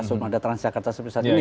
semua ada transjakarta seperti saat ini